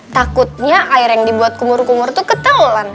takutnya air yang dibuat kumur kumur itu ketahuan